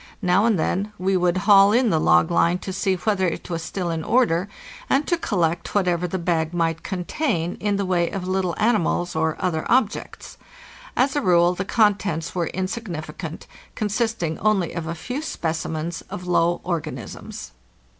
Now and then we would haul in the log line to see whether it was still in order and to collect whatever the bag might contain in the way of little animals or other objects. As a rule the contents were insignificant, consisting only of a few specimens of low organisms.